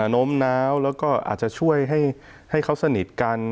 โน้มน้าวแล้วก็อาจจะช่วยให้เขาสนิทกัน